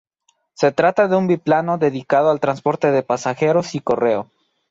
Se trataba de un biplano dedicado al transporte de pasajeros y correo.